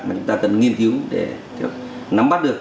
mà chúng ta cần nghiên cứu để nắm bắt được